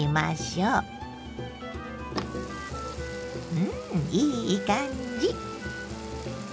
うんいい感じ。